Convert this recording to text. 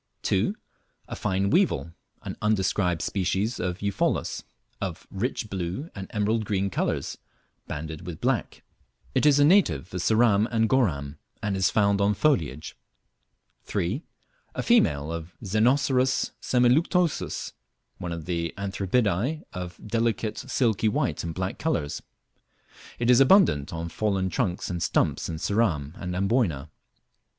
2. A fine weevil, (an undescribed species of Eupholus,) of rich blue and emerald green colours, banded with black. It is a native of Ceram and Goram, and is found on foliage. 3. A female of Xenocerus semiluctuosus, one of the Anthribidae of delicate silky white and black colours. It is abundant on fallen trunks and stumps in Ceram and Amboyna.